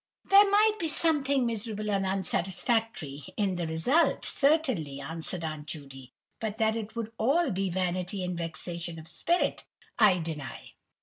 "There might be something miserable and unsatisfactory, in the result, certainly," answered Aunt Judy; "but that it would all be 'vanity and vexation of spirit' I deny.